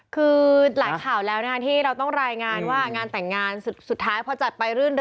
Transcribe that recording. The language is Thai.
คือหลายข่าวแล้วนะคะที่เราต้องรายงานว่างานแต่งงานสุดท้ายพอจัดไปรื่นเริ